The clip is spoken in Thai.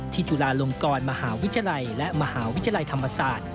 จุฬาลงกรมหาวิทยาลัยและมหาวิทยาลัยธรรมศาสตร์